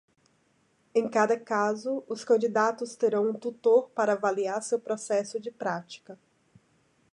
Em cada caso, os candidatos terão um tutor para avaliar seu processo de prática.